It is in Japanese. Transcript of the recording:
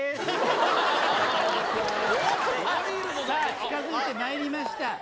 近づいてまいりました。